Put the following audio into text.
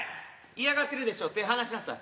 嫌がってるでしょ手離しなさい。